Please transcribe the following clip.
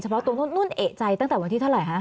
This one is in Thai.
เพราะตัวนุ่นเอกใจตั้งแต่วันที่เท่าไหร่คะ